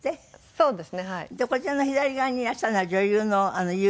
そうです。